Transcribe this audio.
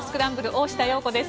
大下容子です。